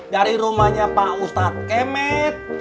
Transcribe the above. dari rumahnya pak ustadz kemed